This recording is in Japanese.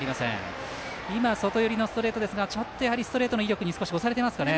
外寄りのストレートですがストレートの威力に少し押されていますかね。